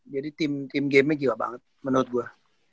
jadi team game nya gila banget menurut gue